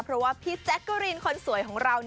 เพราะว่าพี่แจ๊กกะรีนคนสวยของเรา